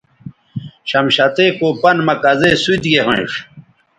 شمشتئ کو پن مہ کزے سوت گے ھوینݜ